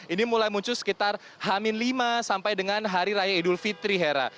ini mulai muncul sekitar hamin lima sampai dengan hari raya idul fitri hera